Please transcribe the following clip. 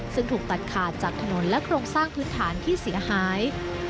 ซึ่งถูกตัดขาดจากถนนและโครงสร้างพื้นฐานที่เสียหาย